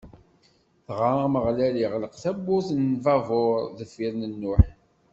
Dɣa Ameɣlal iɣleq tabburt n lbabuṛ deffir n Nuḥ.